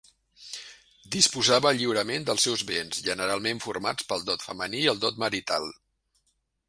Disposava lliurement dels seus béns, generalment formats pel dot femení i el dot marital.